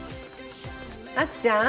あっちゃん？